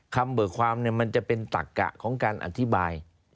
คำเบือกความเนี่ยมันจะเป็นตักของการอธิบาย